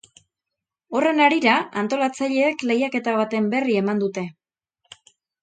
Horren harira, antolatzaileek lehiaketa baten berri eman dute.